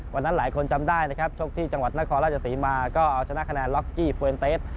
หลายคนจำได้นะครับชกที่จังหวัดนครราชศรีมาก็เอาชนะคะแนนล็อกกี้เฟิร์นเตส